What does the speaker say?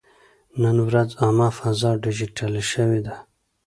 نن ورځ عامه فضا ډیجیټلي شوې ده.